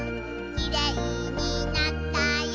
「きれいになったよ